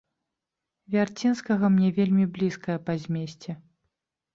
Вярцінскага мне вельмі блізкая па змесце.